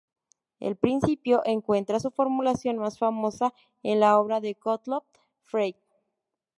El principio encuentra su formulación más famosa en la obra de Gottlob Frege.